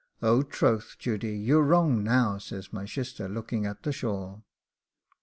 'Oh, troth, Judy, you're wrong now,' says my shister, looking at the shawl.